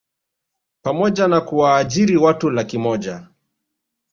pamoja na kuwaajiri watu laki moja